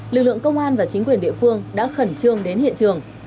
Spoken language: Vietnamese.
lực lượng công an và chính quyền địa phương đã khẩn trương đến hiện trường